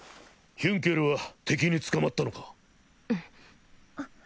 ヒュンケルは敵に捕まったのか？